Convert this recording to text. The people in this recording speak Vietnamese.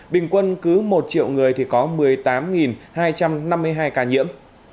bình quân cứ một triệu người thì có một mươi tám hai trăm năm mươi hai ca nhiễm